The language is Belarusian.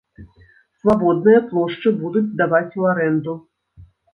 Свабодныя плошчы будуць здаваць ў арэнду.